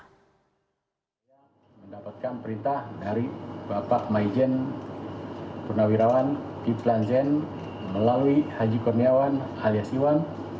saya mendapatkan perintah dari bapak maijen purnawirawan kiplan zen melalui haji kurniawan alias iwan